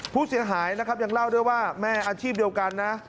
ผู้เสียหายนะครับยังเล่าด้วยว่าแม่อาชีพเดียวกันนะ